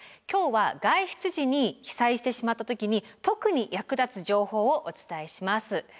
今日は外出時に被災してしまった時に特に役立つ情報をお伝えします。